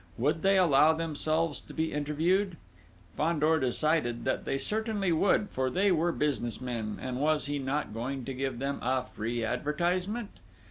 Would they allow themselves to be interviewed? Fandor decided that they certainly would, for they were business men, and was he not going to give them a free advertisement?